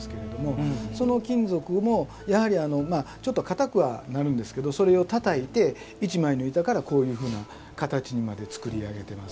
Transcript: その金属もやはりちょっと硬くはなるんですけどそれをたたいて一枚の板からこういうふうな形にまで作り上げてます。